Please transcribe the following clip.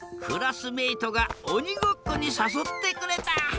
クラスメートがおにごっこにさそってくれた。